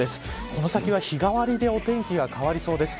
この先は、日替わりでお天気が変わりそうです。